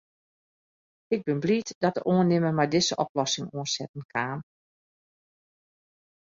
Ik bin bliid dat de oannimmer mei dizze oplossing oansetten kaam.